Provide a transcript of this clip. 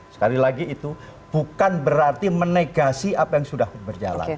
sekali lagi itu bukan berarti menegasi apa yang sudah berjalan